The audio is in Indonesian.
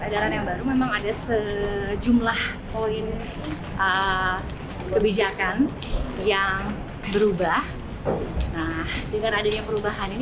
pemerintahan yang baru memang ada sejumlah poin kebijakan yang berubah dengan adanya perubahan ini